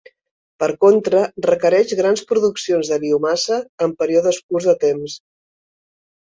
Per contra, requereix grans produccions de biomassa en períodes curts de temps.